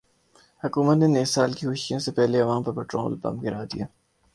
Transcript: حکومت نے نئے سال کی خوشیوں سے پہلے عوام پر پیٹرول بم گرا دیا